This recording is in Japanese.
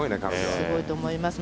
すごいと思います。